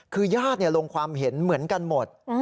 คือญาติลงความเห็นเหมือนกันหมด